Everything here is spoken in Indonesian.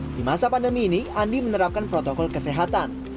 di masa pandemi ini andi menerapkan protokol kesehatan